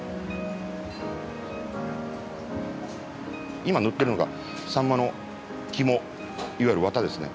今塗ってるのがサンマの肝いわゆるワタですね。